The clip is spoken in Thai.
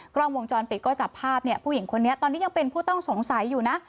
กล้องวงจรปิดก็จับภาพเนี่ยผู้หญิงคนนี้ตอนนี้ยังเป็นผู้ต้องสงสัยอยู่นะ